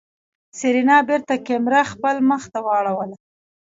سېرېنا بېرته کمره خپل مخ ته واړوله.